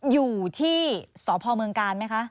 อยู่ที่สพเมืองกาลไหมคะ